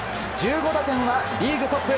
１５打点はリーグトップ。